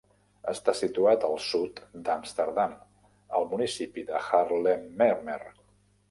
Està situat al sud d'Amsterdam, al municipi de Haarlemmermeer.